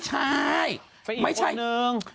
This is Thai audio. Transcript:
ไปอีกคนหนึ่ง